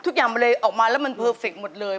ทุกอย่างมันเลยออกมาแล้วมันเพอร์เฟคหมดเลย